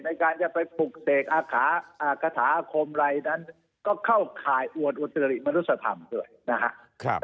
ในการจะไปปลูกเตกอาคาอากาศาคมอะไรอย่างนั้นก็เข้าข่ายอวดอุตริมนุษยธรรมด้วยนะฮะ